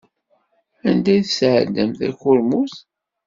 Anda ay d-tesɛeddamt takurmut?